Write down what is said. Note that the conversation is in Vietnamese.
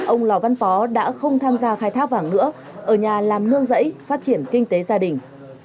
ông lò văn pó đã không tham gia khai thác vàng nữa ở nhà làm nương rẫy phát triển kinh tế gia đình